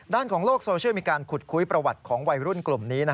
ด้านของโลกโซเชียลมีการขุดคุยประวัติของวัยรุ่นกลุ่มนี้